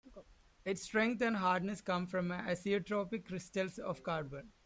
Its strength and hardness come from anisotropic crystals of carbon.